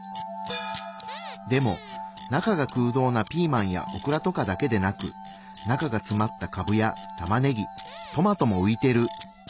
でも中が空洞なピーマンやオクラとかだけでなく中がつまったカブやたまねぎトマトもういてる！